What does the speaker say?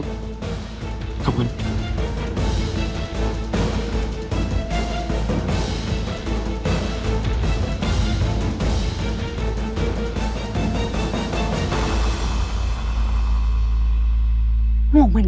ขอบคุณมากเพทุ